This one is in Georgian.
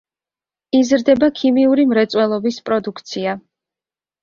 იზრდება ქიმიური მრეწველობის პროდუქცია.